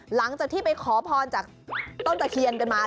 หลังจากที่ไปขอพรจากต้นตะเคียนกันมา